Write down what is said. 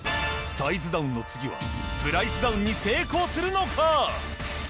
サイズダウンの次はプライスダウンに成功するのか！？